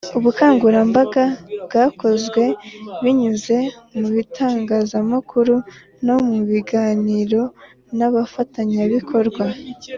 Ubukangurambaga bwakozwe binyuze mu bitangazamakuru no mu biganiro n abafatanyabikorwa